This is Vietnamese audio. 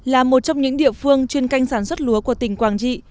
là một trong những địa phương chuyên canh sản xuất lúa của tỉnh quảng trị